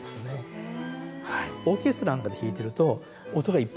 へえ。